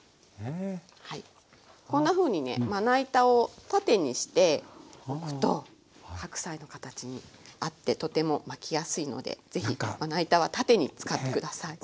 こんなふうにねまな板を縦にして置くと白菜の形に合ってとても巻きやすいので是非まな板は縦に使って下さい。